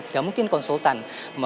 tidak mungkin konsultan